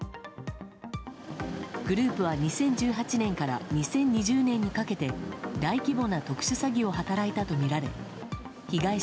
グループは２０１８年から２０２０年にかけて大規模な特殊詐欺を働いたとみられ被害者